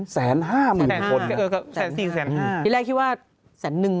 แสน